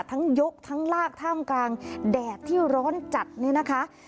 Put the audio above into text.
ยกทั้งลากท่ามกลางแดดที่ร้อนจัดเนี่ยนะคะ